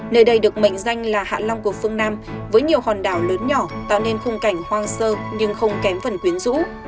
nơi đây được mệnh danh là hạ long của phương nam với nhiều hòn đảo lớn nhỏ tạo nên khung cảnh hoang sơ nhưng không kém phần quyến rũ